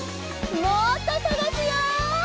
もっとさがすよ！